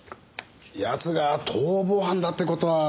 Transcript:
奴が逃亡犯だって事は。